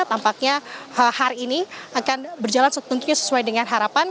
tampaknya hari ini akan berjalan setentunya sesuai dengan harapan